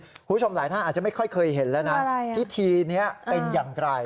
คุณผู้ชมหลายท่านอาจจะไม่ค่อยเคยเห็นแล้วนะพิธีนี้เป็นอย่างไร